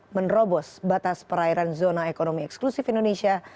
menerobos batas perairan zona ekonomi eksklusif indonesia